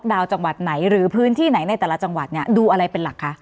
ดาวจังหวัดไหนหรือพื้นที่ไหนในแต่ละจังหวัดเนี่ยดูอะไรเป็นหลักคะ